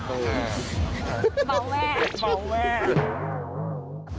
เบาแหญ้